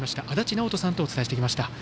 足達尚人さんとお伝えしてきました。